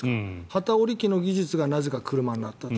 機織り機の技術がなぜか車になったと。